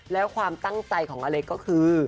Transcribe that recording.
แล้วความตั้งใจของอเล็กก็คือ